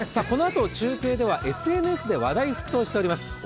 このあと中継ではＳＮＳで話題沸騰しております。